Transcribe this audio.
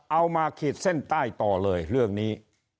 ขีดเส้นใต้ต่อเลยเรื่องนี้